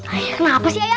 ayah kenapa sih ayah